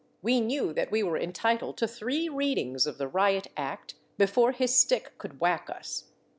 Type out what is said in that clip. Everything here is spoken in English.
We knew that we were en titled to three readings of the Riot Act before his stick could whack us.